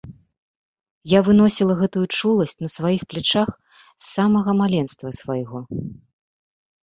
Я выносіла гэтую чуласць на сваіх плячах з самага маленства свайго.